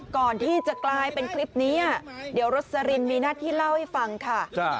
ก่อนที่จะกลายเป็นคลิปนี้เดี๋ยวรสลินมีหน้าที่เล่าให้ฟังค่ะ